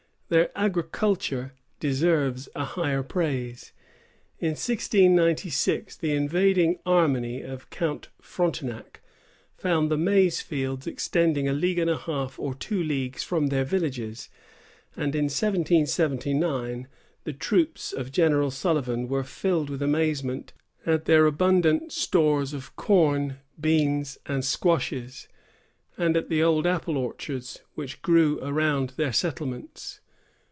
Their agriculture deserves a higher praise. In 1696, the invading army of Count Frontenac found the maize fields extending a league and a half or two leagues from their villages; and, in 1779, the troops of General Sullivan were filled with amazement at their abundant stores of corn, beans, and squashes, and at the old apple orchards which grew around their settlements.